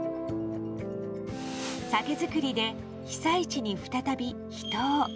酒造りで被災地に再び人を。